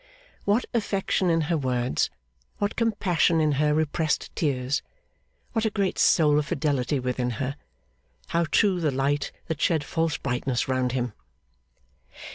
What affection in her words, what compassion in her repressed tears, what a great soul of fidelity within her, how true the light that shed false brightness round him!